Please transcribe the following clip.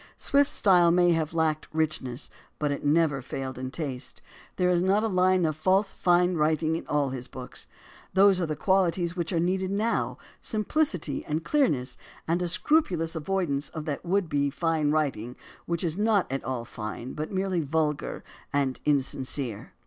Swift's style may have lacked richness, but it never failed in taste. There is not a line of false fine writing in all his books. Those are the qualities which are so needed now, simplicity and clearness and a scrupulous avoidance of that would be fine writing which is not at all fine but merely vulgar and insincere.